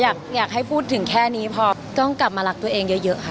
อยากให้พูดถึงแค่นี้พอต้องกลับมารักตัวเองเยอะค่ะ